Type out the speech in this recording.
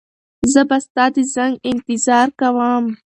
زه به ستا د زنګ انتظار کوم.